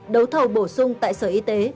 đấu thầu bổ sung tại sở y tế